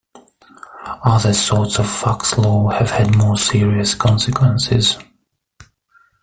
Other sorts of faxlore have had more serious consequences.